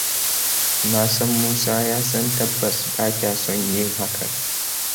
Na san Musa ya san tabbas ba kya son yin hakan.